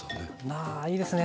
あいいですね